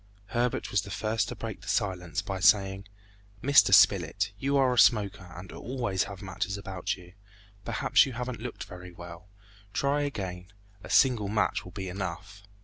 Herbert was the first to break the silence by saying, "Mr. Spilett, you are a smoker and always have matches about you; perhaps you haven't looked well, try again, a single match will be enough!"